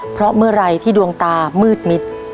เพราะเมื่อไหร่ที่ดวงตามืดมิด